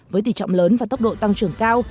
với tỷ trọng lớn và tốc độ tăng trưởng cao